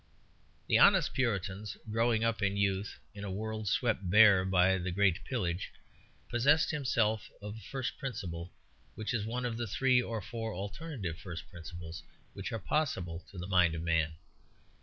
The honest Puritan, growing up in youth in a world swept bare by the great pillage, possessed himself of a first principle which is one of the three or four alternative first principles which are possible to the mind of man.